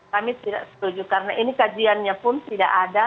kami tidak setuju karena ini kajiannya pun tidak ada